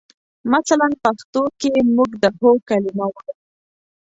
مثلاً پښتو کې موږ د هو کلمه وایو.